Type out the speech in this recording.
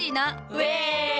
ウェイ！